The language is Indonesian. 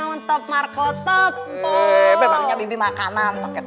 enak kan dilihatnya